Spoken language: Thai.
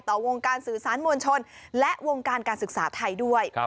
วงการสื่อสารมวลชนและวงการการศึกษาไทยด้วย